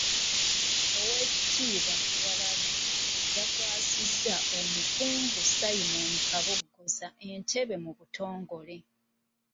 Oweekitiibwa Kyewalabye Male yakwasizza Omukungu Simon Kabogoza entebe mu butongole.